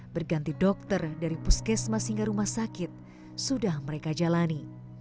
berganti dokter dari puskesmas hingga rumah sakit sudah mereka jalani